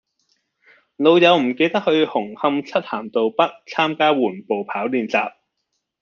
老友唔記得去紅磡漆咸道北參加緩步跑練習